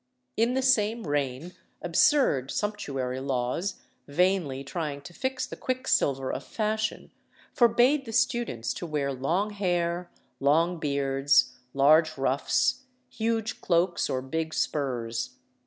In the same reign absurd sumptuary laws, vainly trying to fix the quicksilver of fashion, forbade the students to wear long hair, long beards, large ruffs, huge cloaks, or big spurs.